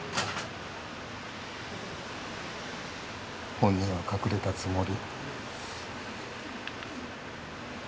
本人は隠れたつもり。